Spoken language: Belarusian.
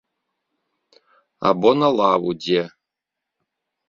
Або на лаву дзе.